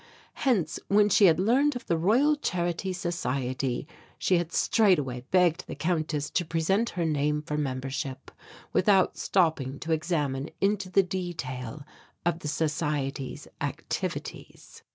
Hence when she had learned of the Royal Charity Society she had straightway begged the Countess to present her name for membership, without stopping to examine into the detail of the Society's activities.